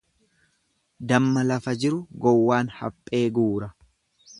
Damma lafa jiru gowwaan haphee guura.